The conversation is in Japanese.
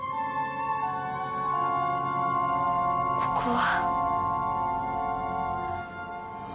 ここは？